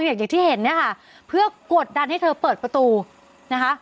อย่างที่เห็นเนี่ยค่ะเพื่อกดดันให้เธอเปิดประตูนะคะ